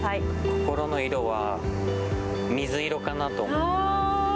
心の色は水色かなと思います。